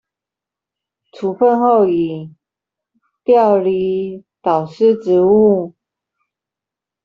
處分後已調離導師職務